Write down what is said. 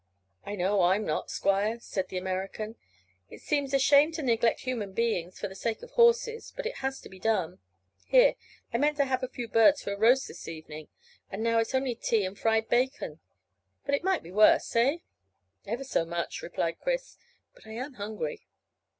"I know I'm not, squire," said the American. "It seems a shame to neglect human beings for the sake of horses, but it has to be done. Here, I meant to have a few birds for a roast this evening, and now it's only tea and fried bacon. But it might be worse, eh?" "Ever so much," replied Chris. "But I am hungry."